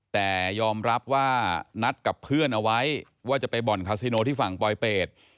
แต่ยอมรับว่านัดกับเพื่อนเอาไว้ว่าจะไปบ่อนคาซิโนที่ฝั่งปลอยเป็ด